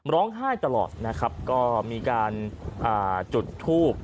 ร้องไห้ตลอดนะครับก็มีการจุดทูบ